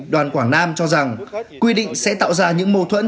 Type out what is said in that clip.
đoàn quảng nam cho rằng quy định sẽ tạo ra những mâu thuẫn